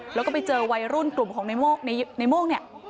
แล้วก็ไปเจอวัยรุ่นกลุ่มของในโม่งเนี่ย